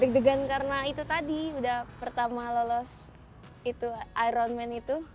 deg degan karena itu tadi udah pertama lolos ironman itu